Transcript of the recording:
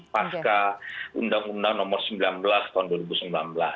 pasca undang undang nomor sembilan belas tahun dua ribu sembilan belas